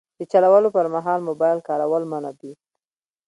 د چلولو پر مهال موبایل کارول منع دي.